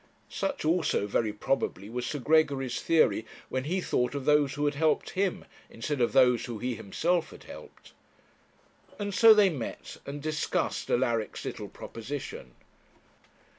Such also very probably was Sir Gregory's theory when he thought of those who had helped him, instead of those whom he himself had helped. And so they met, and discussed Alaric's little proposition.